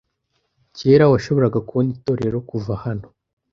Kera washoboraga kubona itorero kuva hano.